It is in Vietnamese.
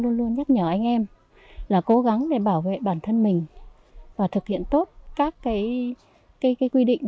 luôn luôn nhắc nhở anh em là cố gắng để bảo vệ bản thân mình và thực hiện tốt các quy định